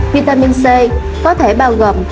vitamin c có thể bao gồm